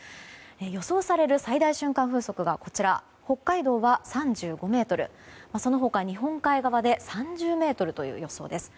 予想される最大瞬間風速が北海道は３５メートルその他、日本海側で３０メートルという予想です。